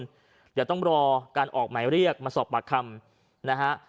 เดี๋ยวต้องรอการออกหมายเรียกมาสอบปากคำนะฮะ